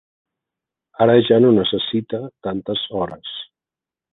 Ara ja no es necessita tantes hores.